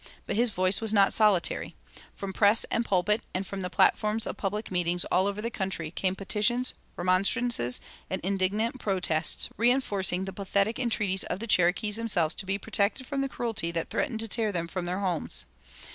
But his voice was not solitary. From press and pulpit and from the platforms of public meetings all over the country came petitions, remonstrances, and indignant protests, reinforcing the pathetic entreaties of the Cherokees themselves to be protected from the cruelty that threatened to tear them from their homes.